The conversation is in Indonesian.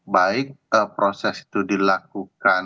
baik proses itu dilakukan